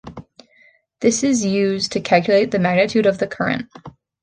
This is used to calculate the magnitude of the current.